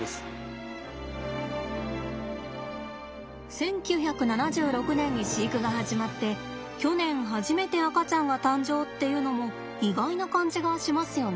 １９７６年に飼育が始まって去年初めて赤ちゃんが誕生っていうのも意外な感じがしますよね。